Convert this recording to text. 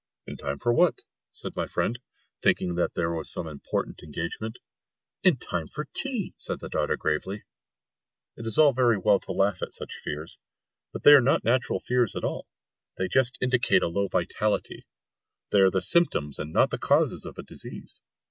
"In time for what?" said my friend, thinking that there was some important engagement. "In time for tea!" said the daughter gravely. It is all very well to laugh at such fears, but they are not natural fears at all, they just indicate a low vitality; they are the symptoms and not the causes of a disease.